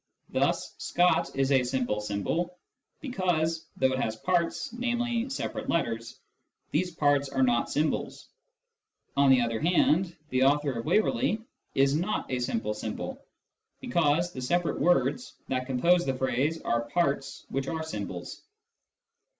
Thus " Scott " is a simple symbol, because, though it has parts (namely, separate letters), these parts are not symbols. On the other hand, " the author of Waverley " is not a simple symbol, because the separate words that compose the phrase are parts which are symbols.